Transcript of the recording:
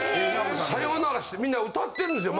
さようならしてみんな歌ってんですよ